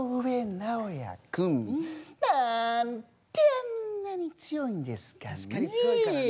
何であんなに強いんですかね？